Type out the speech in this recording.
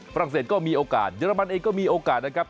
ฝรัศก็มีโอกาสเยอรมันเองก็มีโอกาสนะครับ